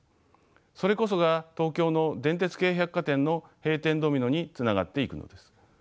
それこそが東京の電鉄系百貨店の閉店ドミノにつながっていくのです。